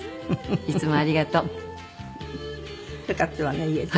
いつもありがとう。よかったわね言えて。